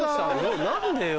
何でよ。